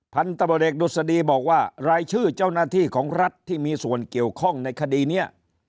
พันธบทเอกดุษฎีบอกว่ารายชื่อเจ้าหน้าที่ของรัฐที่มีส่วนเกี่ยวข้องในคดีนี้